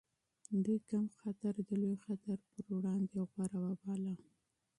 دوی کم خطر د لوی خطر پر وړاندې غوره وباله.